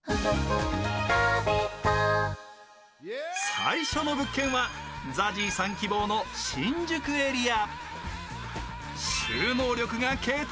最初の物件は、ＺＡＺＹさん希望の新宿エリア。